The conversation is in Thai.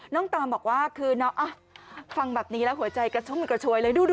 น้องตามบอกว่าคือน้องฟังแบบนี้แล้วหัวใจกระโชคเหมือนกระโชยเลย